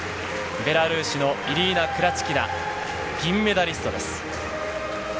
ベラルーシのイリーナ・クラチキナ、銀メダリストです。